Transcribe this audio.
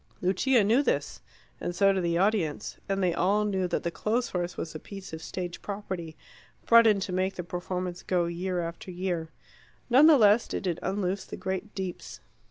Lucia knew this, and so did the audience; and they all knew that the clothes horse was a piece of stage property, brought in to make the performance go year after year. None the less did it unloose the great deeps.